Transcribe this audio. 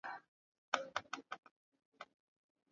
wajiaandae vile vile waambiwe ni aina gani ya mazao